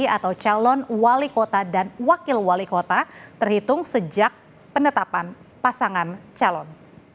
atau calon wali kota dan wakil wali kota terhitung sejak penetapan pasangan calon